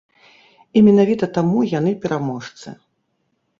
І менавіта таму яны пераможцы.